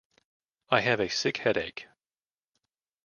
I have a sick headache.